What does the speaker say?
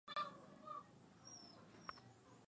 wakati huu ambapo kura hii ya maoni ikiendelea kupigwa